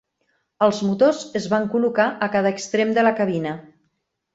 Els motors es van col·locar a cada extrem de la cabina.